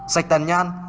sạch tàn nhan